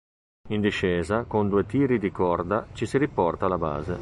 In discesa con due tiri di corda ci si riporta alla base.